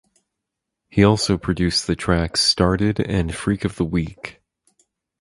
He also produced the tracks "Started" and "Freak of the Weak".